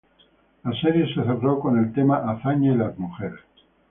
La serie se cerró con el tema "Azaña y las mujeres".